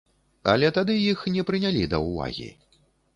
Але тады іх не прынялі да ўвагі.